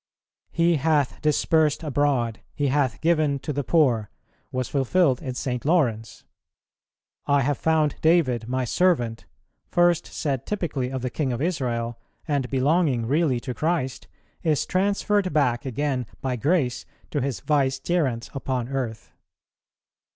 "He hath dispersed abroad, he hath given to the poor," was fulfilled in St. Laurence. "I have found David My servant," first said typically of the King of Israel, and belonging really to Christ, is transferred back again by grace to His Vicegerents upon earth.